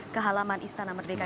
ke halaman istana merdeka